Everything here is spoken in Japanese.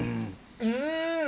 うん！